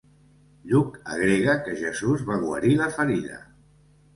Lluc agrega que Jesús va guarir la ferida.